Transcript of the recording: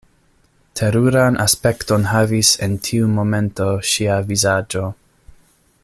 Teruran aspekton havis en tiu momento ŝia vizaĝo.